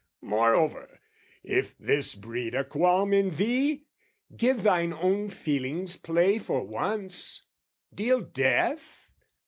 "Moreover, if this breed a qualm in thee, "Give thine own feelings play for once, deal death?